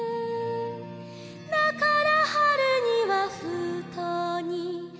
「だから春には封筒に」